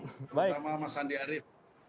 selamat malam mas andi arief